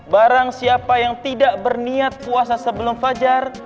barang siapa yang tidak berniat puasa sebelum fajar